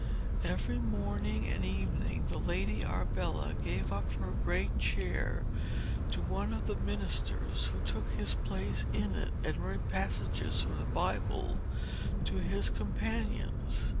Every morning and evening the Lady Arbella gave up her great chair to one of the ministers, who took his place in it and read passages from the Bible to his companions.